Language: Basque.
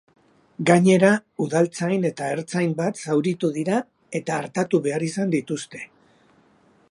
Gainera, udaltzain eta ertzain bat zauritu dira eta artatu behar izan dituzte.